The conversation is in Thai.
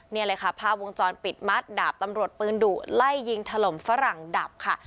นี่เลยค่ะภาพวงจรปิดมัดดาบตำรวจปืนดุไล่ยิงถล่มฝรั่งดับค่ะ